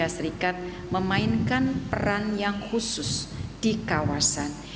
amerika serikat memainkan peran yang khusus di kawasan